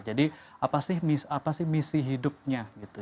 jadi apa sih misi hidupnya gitu